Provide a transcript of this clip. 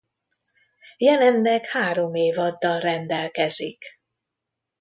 Jelenleg három évaddal rendelkezik.